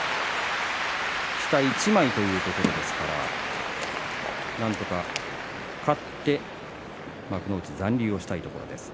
下１枚というところですからなんとか勝って幕内残留をしたいところです。